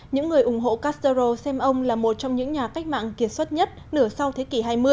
những người ủng hộ castro xem ông là một trong những nhà cách mạng kiệt xuất nhất nửa sau thế kỷ hai mươi